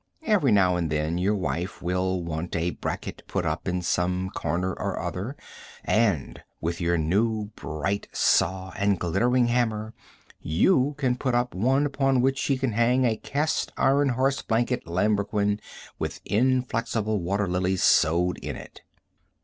Every now and then your wife will want a bracket put up in some corner or other, and with your new, bright saw and glittering hammer you can put up one upon which she can hang a cast iron horse blanket lambrequin, with inflexible water lilies sewed in it.